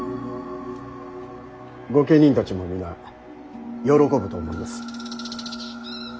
御家人たちも皆喜ぶと思います。